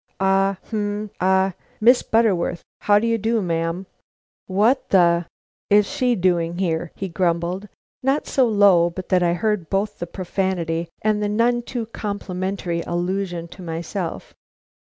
"Ah! hum! ha! Miss Butterworth. How do you do, ma'am? What the is she doing here?" he grumbled, not so low but that I heard both the profanity and the none too complimentary allusion to myself.